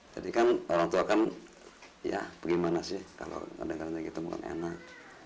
jadi kan orang tua kan ya bagaimana sih kalau kadang kadang gitu makan enak